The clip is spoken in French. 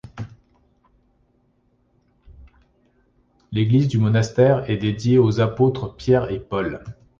L'église du monastère est dédiée aux apôtres Pierre et Paul.